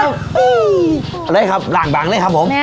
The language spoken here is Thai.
เอาเลยครับลางบางเลยครับผม